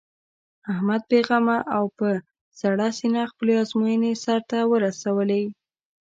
احمد بې غمه او په سړه سینه خپلې ازموینې سر ته ورسولې.